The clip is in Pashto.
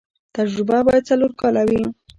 تجربه باید څلور کاله وي.